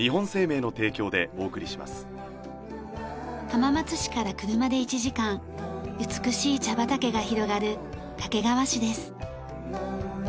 浜松市から車で１時間美しい茶畑が広がる掛川市です。